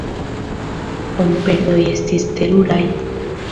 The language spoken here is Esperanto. Homperdoj estis teruraj.